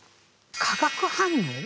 化学反応。